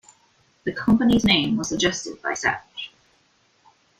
The company's name was suggested by Savage.